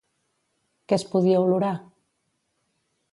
Què es podia olorar?